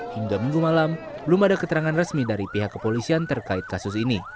hingga minggu malam belum ada keterangan resmi dari pihak kepolisian terkait kasus ini